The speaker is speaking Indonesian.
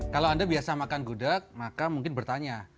kalau anda biasa makan gudeg maka mungkin bertanya